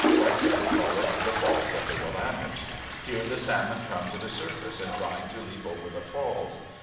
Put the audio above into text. White men call it the Falls of the Willamette. Here the salmon come to the surface in trying to leap over the falls.